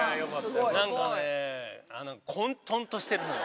なんかね混沌としてるのよ